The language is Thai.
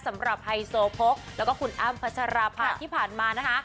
สำหรับไฮโซโพกแล้วก็คุณอ้ามพัชรพะที่ผ่านมานะคะ